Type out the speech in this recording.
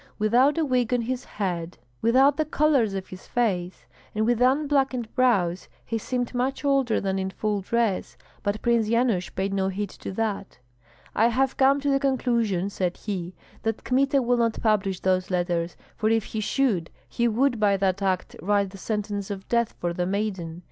Without a wig on his head, without the colors on his face, and with unblackened brows, he seemed much older than in full dress; but Prince Yanush paid no heed to that. "I have come to the conclusion," said he, "that Kmita will not publish those letters, for if he should he would by that act write the sentence of death for the maiden.